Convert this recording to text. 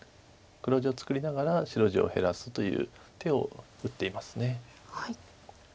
黒地を作りながら白地を減らすという手を打っています。